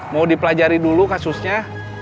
mau dipelajari dulu kasusnya